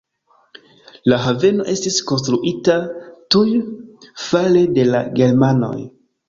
La haveno estis konstruita tuj fare de la germanoj.